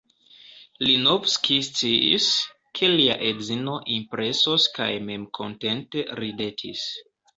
Linovski sciis, ke lia edzino impresos kaj memkontente ridetis.